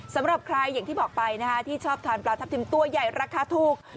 สำหรับใครอย่างที่บอกไปที่ชอบทานปลาทับทิมตัวใหญ่ราคาถูก